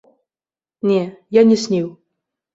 Не, я не сніў.